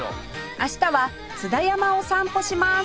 明日は津田山を散歩します